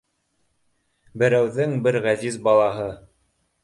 — Берәүҙең бер ғәзиз балаһы